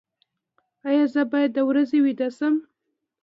ایا زه باید د ورځې ویده شم؟